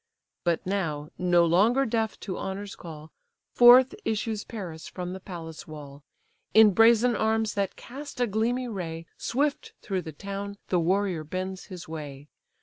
But now, no longer deaf to honour's call, Forth issues Paris from the palace wall. In brazen arms that cast a gleamy ray, Swift through the town the warrior bends his way.